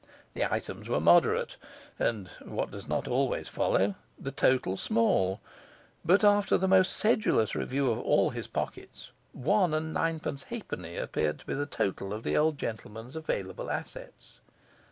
The items were moderate and (what does not always follow) the total small; but, after the most sedulous review of all his pockets, one and nine pence halfpenny appeared to be the total of the old gentleman's available assets.